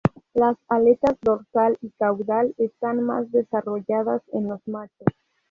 Las aletas dorsal y caudal están más desarrolladas en los machos.